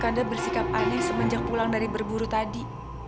anda bersikap aneh semenjak pulang dari berburu tadi